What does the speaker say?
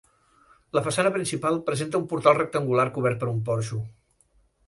La façana principal presenta un portal rectangular cobert per un porxo.